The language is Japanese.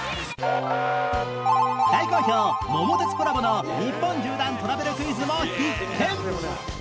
大好評『桃鉄』コラボの日本縦断トラベルクイズも必見！